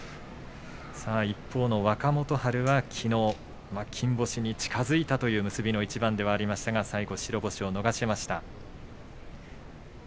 一方の若元春は、きのう金星に近づいたという結びの一番ではありましたが最後白星を逃しました。